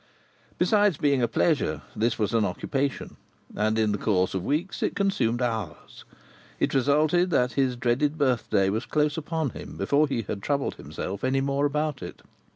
Besides being a pleasure, this was an occupation, and in the course of weeks it consumed hours. It resulted that his dreaded birthday was close upon him before he had troubled himself any more about it.